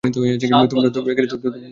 তোমরা এখনো বেঁচে আছো?